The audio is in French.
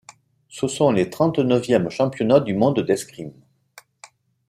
Ce sont les trente neuvièmes championnats du monde d'escrime.